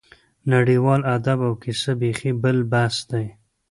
نړیوال ادب او کیسه بېخي بل بحث دی.